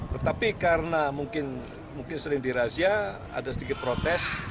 tetapi karena mungkin sering dirazia ada sedikit protes